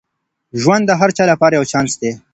ژوند د هر چا لپاره یو چانس دی.